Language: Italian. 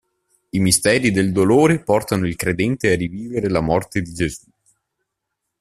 I misteri del dolore portano il credente a rivivere la morte di Gesù.